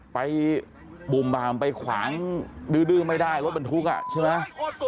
ไปบุ่มบามไปขวางดื้อไม่ได้รถบรรทุกอ่ะใช่ไหม